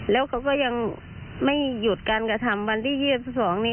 แล้วเขาก็ยังไม่หยุดการกระทำวันที่๒๒นี้